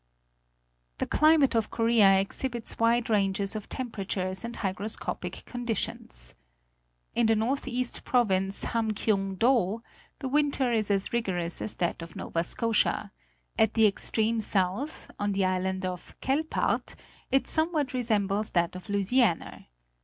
The climate of Korea exhibits wide ranges of temperatures and hygroscopic conditions. In the northeast province, Ham kiung do, the winter is as rigorous as that of Nova Scotia; at the extreme south, on the island of Quelpaert, it somewhat resembles that of Louisiana.